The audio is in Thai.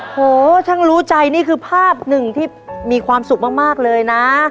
โหช่างรู้ใจนี่คือภาพหนึ่งที่มีความสุขมากเลยนะ